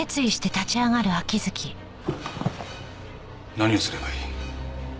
何をすればいい？